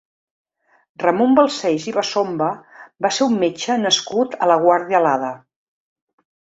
Ramon Balcells i Basomba va ser un metge nascut a La Guàrdia Lada.